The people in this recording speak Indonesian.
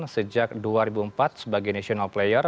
sejak dua ribu empat sebagai national player